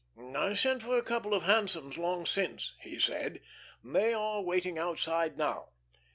"I sent for a couple of hansoms long since," he said. "They are waiting outside now."